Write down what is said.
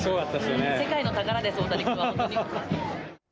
世界の宝です、大谷君は、本当に。